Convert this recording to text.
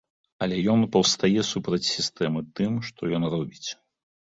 Але ён паўстае супраць сістэмы тым, што ён робіць.